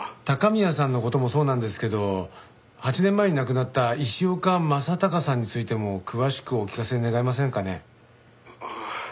高宮さんの事もそうなんですけど８年前に亡くなった石岡正隆さんについても詳しくお聞かせ願えませんかね。